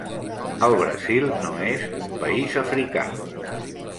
El Brasil no és un país Africà.